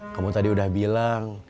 kamu tadi udah bilang